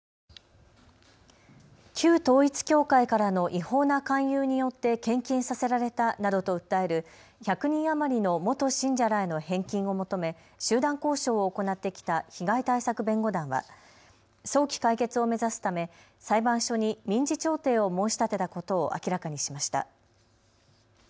旧統一教会からの違法な勧誘によって献金させられたなどと訴える１００人余りの元信者らへの返金を求め集団交渉を行ってきた被害対策弁護団は早期解決を目指すため裁判所に民事調停を申し立てたことを明らかにしました。